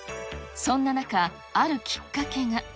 そんな中、あるきっかけが。